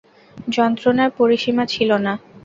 যন্ত্রণার পরিসীমা ছিল না।